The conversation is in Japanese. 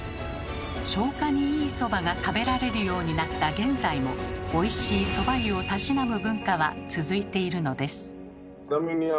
消化にいいそばが食べられるようになった現在もおいしいそば湯をたしなむ文化は続いているのです。